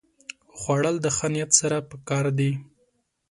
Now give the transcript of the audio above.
خوړل د ښه نیت سره پکار دي